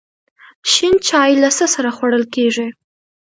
شین چای له څه سره خوړل کیږي؟